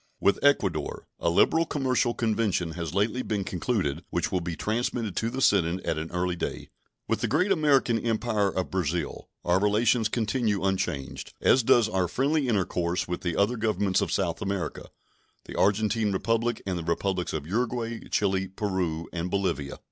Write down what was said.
With Ecuador a liberal commercial convention has lately been concluded, which will be transmitted to the Senate at an early day. With the great American Empire of Brazil our relations continue unchanged, as does our friendly intercourse with the other Governments of South America the Argentine Republic and the Republics of Uruguay, Chili, Peru, and Bolivia.